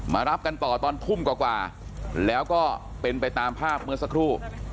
มารับกันต่อตอนทุ่มกว่าแล้วก็เป็นไปตามภาพเมื่อสักครู่